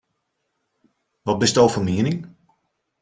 Wat bisto fan miening?